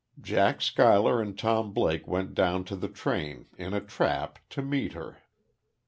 Jack Schuyler and Tom Blake went down to the train, in a trap, to meet her.